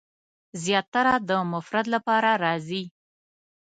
زیاتره د مفرد لپاره راځي.